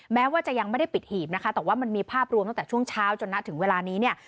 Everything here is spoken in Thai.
แม้ว่าจะยังไม่ได้ปิดหีบนะคะแต่ว่ามันมีภาพรวมตั้งแต่ช่วงเช้าจนนะถึงเวลานี้เนี่ย